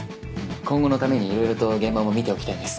今後のためにいろいろと現場も見ておきたいんです。